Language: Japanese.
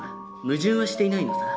矛盾はしていないのさ。